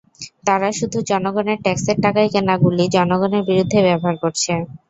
তারা শুধু জনগণের ট্যাক্সের টাকায় কেনা গুলি জনগণের বিরুদ্ধেই ব্যবহার করছে।